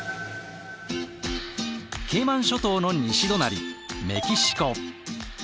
ケイマン諸島の西隣メキシコ。